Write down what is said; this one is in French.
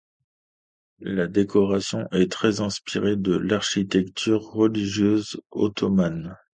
La décoration est très inspirée de l'architecture religieuse ottomane.